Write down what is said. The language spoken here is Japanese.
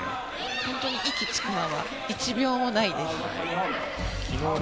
本当に息つくのは１秒もないです。